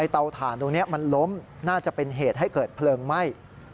เตาถ่านตรงนี้มันล้มน่าจะเป็นเหตุให้เกิดเพลิงไหม้